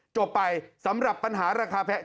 จบไปสำหรับปัญหาราคาแพง